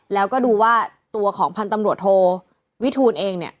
แล้วก็ดูว่าตัวของพันธุ์ตำรวจโทวิทูลเองเนี่ย